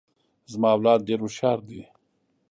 زما اولاد ډیر هوښیار دي.